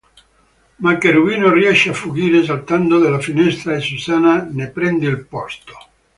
Ma Cherubino riesce a fuggire saltando dalla finestra e Susanna ne prende il posto.